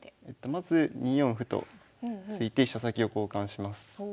まず２四歩と突いて飛車先を交換します。